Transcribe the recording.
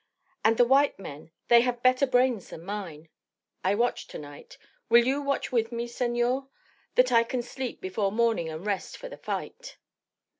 And the white men, they have better brains than mine. I watch to night. Will you watch with me, senor? that I can sleep before morning and rest for the fight."